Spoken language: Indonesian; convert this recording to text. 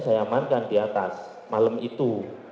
saya amankan di atas malam itu